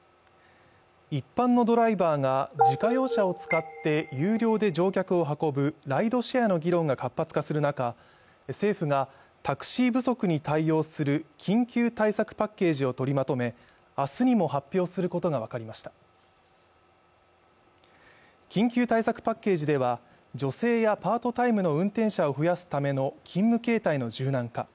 一般のドライバーが自家用車を使って有料で乗客を運ぶライドシェアの議論が活発化する中政府がタクシー不足に対応する緊急対策パッケージを取りまとめ明日にも発表することが分かりました緊急対策パッケージでは女性やパートタイムの運転者を増やすための勤務形態の柔軟化